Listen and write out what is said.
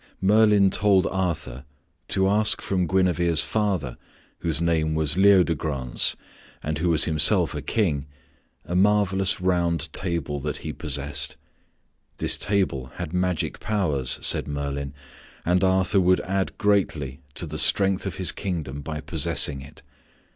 Merlin told Arthur to ask from Guinevere's father, whose name was Leodegrance and who was himself a king, a marvelous round table that he possessed. This table had magic powers, said Merlin, and Arthur would add greatly to the strength of his kingdom by possessing it.